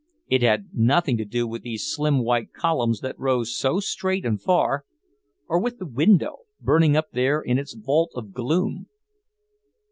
It had nothing to do with these slim white columns that rose so straight and far, or with the window, burning up there in its vault of gloom....